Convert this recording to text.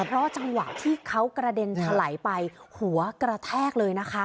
เพราะจังหวะที่เขากระเด็นถลายไปหัวกระแทกเลยนะคะ